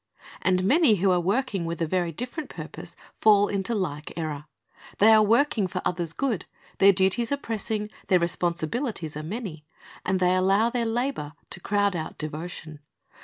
And many who are working with a very different purpose, fall into a like error. They are working for others' good ; their duties are pressing, their responsibilities are many, and they allow their labor to crowd out devotion.